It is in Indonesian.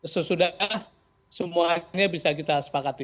sesudah semuanya bisa kita sepakati